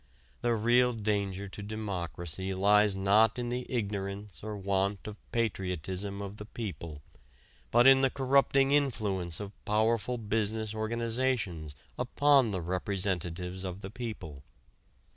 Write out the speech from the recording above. The real danger to democracy lies not in the ignorance or want of patriotism of the people, but in the corrupting influence of powerful business organizations upon the representatives of the people...."